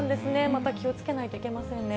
また気をつけないといけませんね。